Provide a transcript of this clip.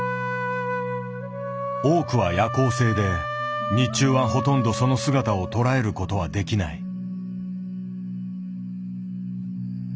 多くは夜行性で日中はほとんどその姿を捉えることはできない。